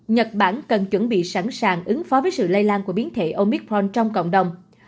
nhật bản cần chuẩn bị sẵn sàng ứng phó với sự lây lan của biến thể omicron trong cộng đồng